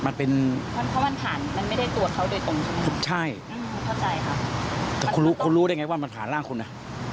ตอนนี้หายแล้วนะหายแล้วนะ